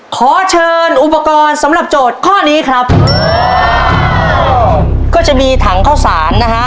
ขอเชิญอุปกรณ์สำหรับโจทย์ข้อนี้ครับก็จะมีถังเข้าสารนะฮะ